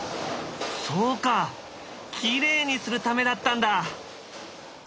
そうかきれいにするためだったんだ。